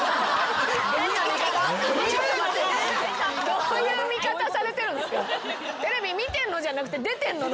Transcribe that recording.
どういう見方されてるんですか？